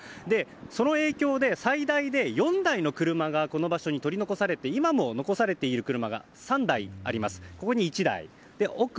その影響で最大で４台の車がこの場所に取り残されて、今も残されている車が３台あります。